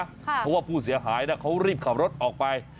เพราะว่าผู้เสียหายเขารีบขับรถออกไป